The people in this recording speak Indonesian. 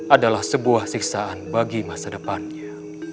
adalah sebuah siksaan bagi masa depannya